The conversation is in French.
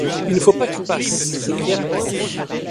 Il ne faut pas qu’ils passent! s’écria Pencroff.